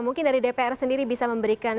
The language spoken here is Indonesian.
mungkin dari dpr sendiri bisa memberikan